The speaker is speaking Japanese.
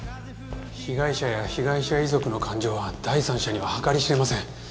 被害者や被害者遺族の感情は第三者には計り知れません。